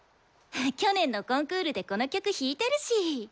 去年のコンクールでこの曲弾いてるし。